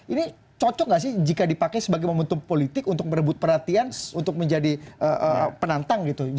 ini cocok nggak sih jika dipakai sebagai momentum politik untuk merebut perhatian untuk menjadi penantang gitu